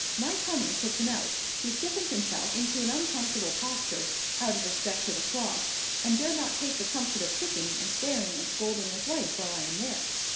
My coming puts him out; he stiffens himself into an uncomfortable posture, out of respect to the cloth, and dare not take the comfort of kicking, and swearing, and scolding his wife, while I am there.